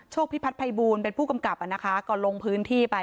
พิพัฒนภัยบูลเป็นผู้กำกับนะคะก็ลงพื้นที่ไป